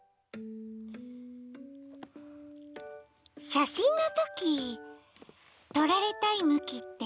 しゃしんのときとられたいむきってあるよね。